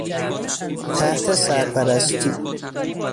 تحت سرپرستی...